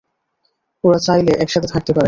ওরা চাইলে একসাথে থাকতে পারে।